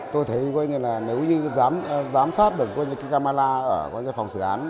tôi thấy nếu như giám sát được camera ở phòng xử án